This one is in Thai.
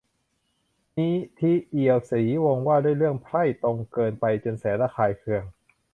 นิธิ เอียวศรีวงศ์ : ว่าด้วย เรื่อง "ไพร่" ตรงเกินไปจนแสนระคายเคือง